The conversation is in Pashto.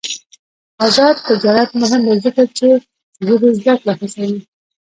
آزاد تجارت مهم دی ځکه چې ژبې زدکړه هڅوي.